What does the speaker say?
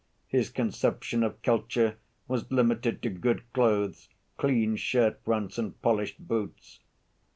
His conception of culture was limited to good clothes, clean shirt‐fronts and polished boots.